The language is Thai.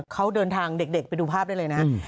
เขาเดินทางเด็กไปดูภาพได้เลยนะ